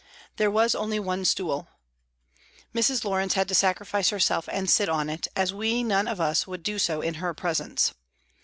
There was only one stool. Mrs. Lawrence had to sacrifice herself and sit on it, as we none of us would do so in her presence.